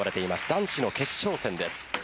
男子の決勝戦です。